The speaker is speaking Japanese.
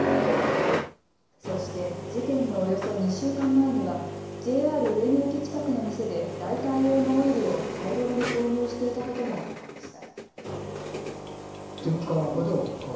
そして事件のおよそ２週間前にはＪＲ上野駅近くの店でライター用のオイルを大量に購入していたことも分かりました。